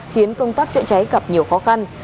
khiến công tác chữa cháy gặp nhiều khó khăn